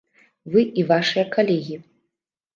Вы і вашыя калегі.